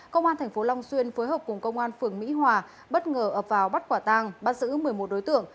công an tp long xuyên phối hợp cùng công an phường mỹ hòa bất ngờ ập vào bắt quả tang bắt giữ một mươi một đối tượng